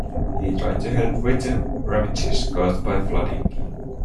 He tried to help with the ravages caused by flooding.